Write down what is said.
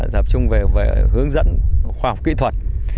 tập trung về hướng dẫn khoa học kỹ thuật